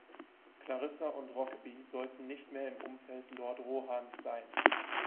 Clarissa und Rokeby sollten nicht mehr im Umfeld Lord Rohans sein.